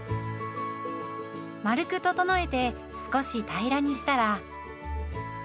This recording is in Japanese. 丸く整えて少し平らにしたら。